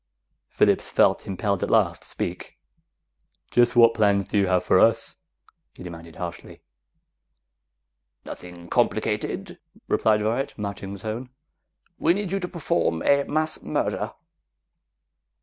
Phillips felt impelled at last to speak. "Just what plans do you have for us?" he demanded harshly. "Nothing complicated," replied Varret, matching the tone. "We need you to perform a mass murder!"